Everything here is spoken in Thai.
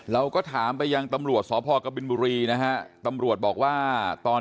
เราก็ถามไปยังตำรวจสพกบินบุรีนะฮะตำรวจบอกว่าตอน